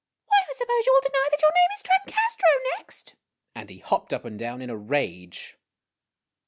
Why, I suppose you will deny that your name is Trancastro, next ?" and he hopped up and down in a rage.